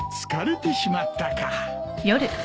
疲れてしまったか。